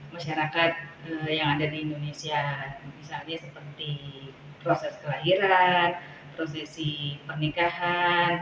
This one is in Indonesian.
masyarakat yang ada di indonesia misalnya seperti proses kelahiran prosesi pernikahan